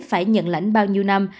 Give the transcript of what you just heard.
phải nhận lãnh bao nhiêu năm